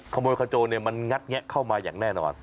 ขโมยขโจรมันงัดแงะเข้ามาอย่างแน่นอน